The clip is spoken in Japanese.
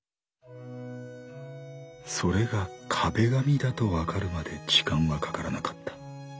それが壁紙だと分かるまで時間はかからなかった。